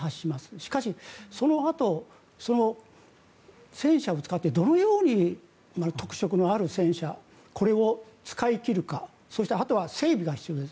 しかし、そのあと戦車を使ってどのように特色のある戦車これを使い切るかそしてあとは整備が必要です。